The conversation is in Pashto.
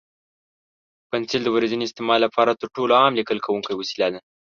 پنسل د ورځني استعمال لپاره تر ټولو عام لیکل کوونکی وسیله ده.